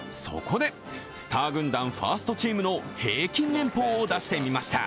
そこでスター軍団、ファーストチームの平均年俸を出してみました。